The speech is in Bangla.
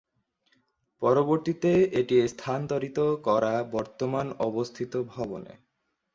পরবর্তিতে এটি স্থানান্তরিত করা বর্তমান অবস্থিত ভবনে।